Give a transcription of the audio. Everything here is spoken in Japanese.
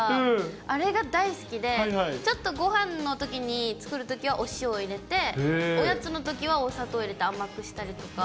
あれが大好きで、ちょっとごはんのときに、作るときはお塩を入れて、おやつのときはお砂糖を入れて甘くしたりとか。